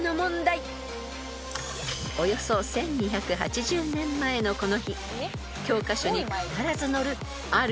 ［およそ１，２８０年前のこの日］